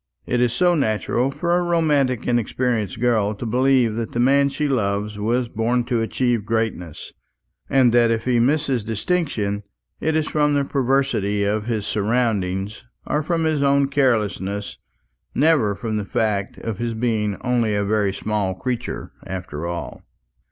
It is so natural for a romantic inexperienced girl to believe that the man she loves was born to achieve greatness; and that if he misses distinction, it is from the perversity of his surroundings or from his own carelessness, never from the fact of his being only a very small creature after all.